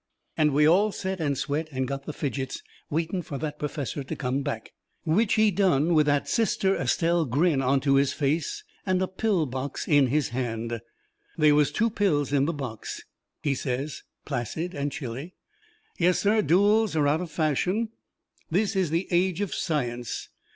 And we all set and sweat and got the fidgets waiting fur that perfessor to come back. Which he done with that Sister Estelle grin onto his face and a pill box in his hand. They was two pills in the box. He says, placid and chilly: "Yes, sir, duels are out of fashion. This is the age of science.